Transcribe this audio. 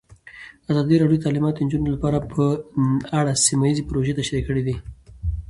ازادي راډیو د تعلیمات د نجونو لپاره په اړه سیمه ییزې پروژې تشریح کړې.